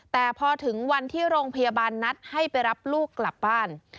แต่พอถึงวันที่โรงพยาบาลนัดให้ไปรับลูกกลับบ้าน